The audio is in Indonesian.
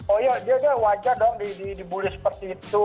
oh iya dia wajar doang dibuli seperti itu